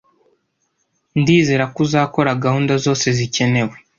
Ndizera ko uzakora gahunda zose zikenewe.